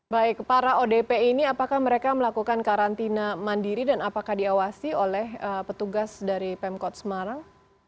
baik para odp ini apakah mereka melakukan karantina mandiri dan apakah diawasi oleh petugas dari pemkot semarang